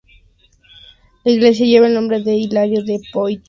La iglesia lleva el nombre de Hilario de Poitiers.